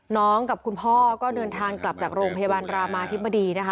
กับคุณพ่อก็เดินทางกลับจากโรงพยาบาลรามาธิบดีนะคะ